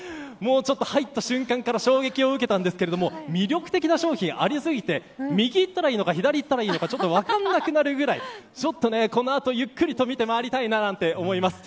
入った瞬間から衝撃を受けましたが魅力的な商品ありすぎて右行ったらいいのか左行ったらいいのか分からなくなるぐらいこの後、ゆっくりと見て回りたいと思います。